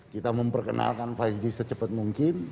kita memperkenalkan lima g secepat mungkin